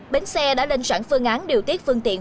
bến xe đã lên sẵn phương án điều tiết phương tiện